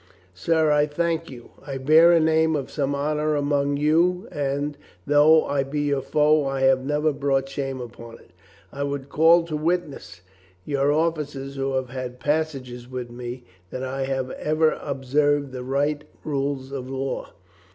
"Sir, I thank you. I bear a name of some honor among you and, though I be your foe, I have never brought shame upon it. I would call to witness your officers who have had passages with me that I have ever observed the right rules of war."